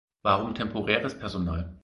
Warum temporäres Personal?